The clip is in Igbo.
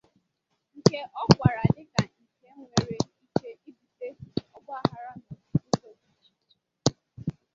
nke ọ kọwara dịka nke nwere ike ibute ọgbaaghara n'ọtụtụ ụzọ dị iche iche